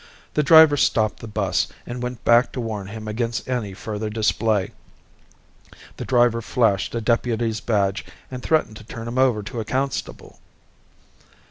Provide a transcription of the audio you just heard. The driver stopped the bus and went back to warn him against any further display. The driver flashed a deputy's badge and threatened to turn him over to a constable.